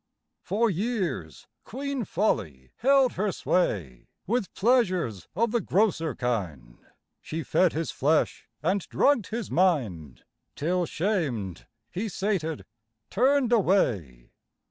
For years queen Folly held her sway. With pleasures of the grosser kind She fed his flesh and drugged his mind, Till, shamed, he sated, turned away.